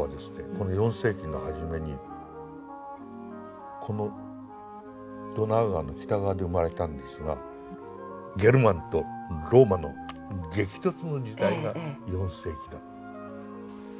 この４世紀の初めにこのドナウ川の北側で生まれたんですがゲルマンとローマの激突の時代が４世紀だった。